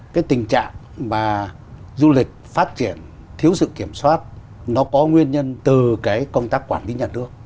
cái tình trạng mà du lịch phát triển thiếu sự kiểm soát nó có nguyên nhân từ cái công tác quản lý nhà nước